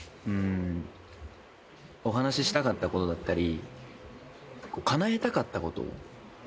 お話ししたかったことだったり。